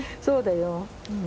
そうだよ。